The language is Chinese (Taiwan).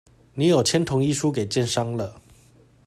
你有簽同意書給建商了